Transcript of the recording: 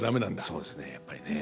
そうですねやっぱりね。